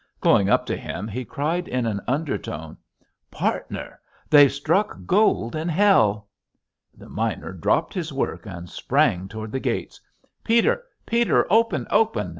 Going up to him he cried in an undertone: "Partner! They've struck gold in Hell!" The miner dropped his work and sprang toward the gates. "Peter, Peter, open, open!